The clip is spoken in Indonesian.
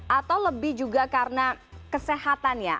atau lebih juga karena kesehatannya